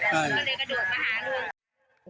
ใช่